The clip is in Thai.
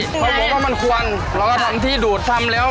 เขาบอกว่ามันควรเราก็ทำที่ดูดทำแล้ว